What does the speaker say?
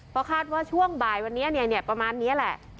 เพราะคาดว่าช่วงบ่ายวันนี้ประมาณนี้แหละ